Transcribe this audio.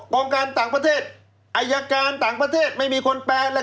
กองการต่างประเทศอายการต่างประเทศไม่มีคนแปลแล้ว